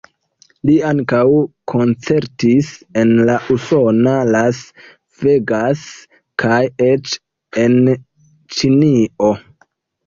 Li ankaŭ koncertis en la usona Las Vegas kaj eĉ en Ĉinio.